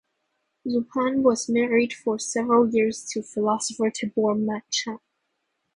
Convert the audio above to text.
Zupan was married for several years to philosopher Tibor Machan.